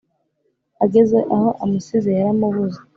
ageze aho amusize yaramubuze